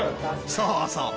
そうそう。